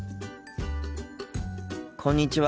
こんにちは。